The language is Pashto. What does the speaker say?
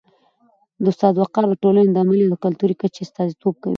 د استاد وقار د ټولني د علمي او کلتوري کچي استازیتوب کوي.